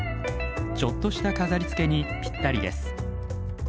ちょっとした飾りつけにぴったりです。